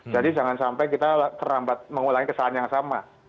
jadi jangan sampai kita terlambat mengulangi kesalahan yang sama